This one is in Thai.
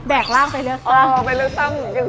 แบกร่างเป็นเรื่องตั้งคือยังไงคะอ๋อเป็นเรื่องตั้ง